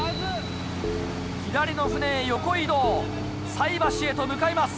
左の船へ横移動さい箸へと向かいます。